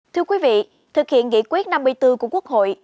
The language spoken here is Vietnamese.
thưa quý vị thực hiện nghị quyết năm mươi bốn của quốc hội